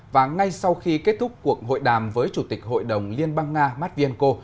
và ngay sau khi kết thúc cuộc hội đàm với chủ tịch hội đồng liên bang nga mát viên cô